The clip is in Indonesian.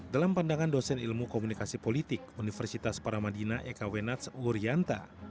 dalam pandangan dosen ilmu komunikasi politik universitas paramadina ekw nats urianta